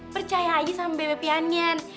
percaya aja sama bebe piangian